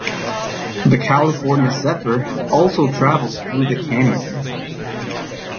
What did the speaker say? The "California Zephyr" also travels through the canyon.